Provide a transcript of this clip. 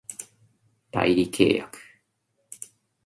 代理契約